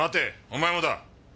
お前もだ。